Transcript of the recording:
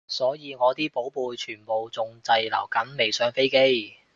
所以我啲寶貝全部仲滯留緊未上飛機